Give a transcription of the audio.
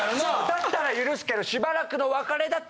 だったら許すけど。